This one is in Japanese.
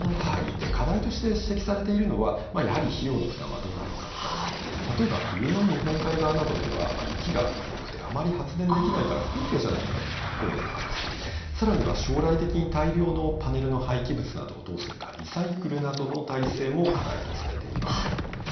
課題として指摘されているのは、やはり費用の負担はどうなのかとか例えば冬の日本海側などでは雪が多くてあまり発電できないから不公平じゃないかといった声とかさらには、将来的に大量のパネルの廃棄物などをどうするかリサイクルなどの体制も課題とされています。